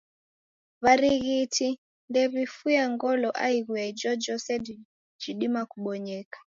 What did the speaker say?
W'arighiti ndew'ifuye ngolo aighu ya ijojose jidima kubonyeka.